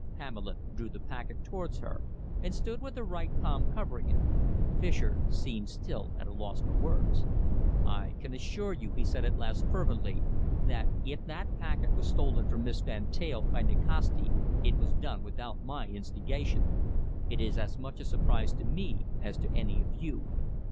Pamela drew the packet towards her and stood with her right palm covering it. Fischer seemed still at a loss for words. "I can assure you," he said at last fervently, "that if that packet was stolen from Miss Van Teyl by Nikasti, it was done without my instigation. It is as much a surprise to me as to any of you.